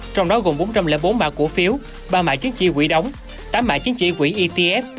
trong đó gồm bốn trăm linh bốn mạng cổ phiếu ba mạng chiến trị quỹ đóng tám mạng chiến trị quỹ etf